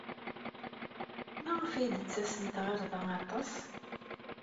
Maɣef ay d-tettasemt ɣer da aṭas?